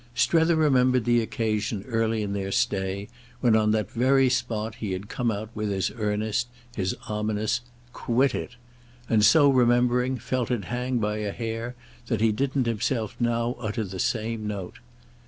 Strether remembered the occasion early in their stay when on that very spot he had come out with his earnest, his ominous "Quit it!"—and, so remembering, felt it hang by a hair that he didn't himself now utter the same note.